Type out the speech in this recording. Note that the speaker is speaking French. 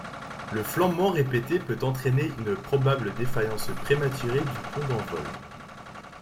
Le flambement répété peut entraîner une probable défaillance prématurée du pont d'envol.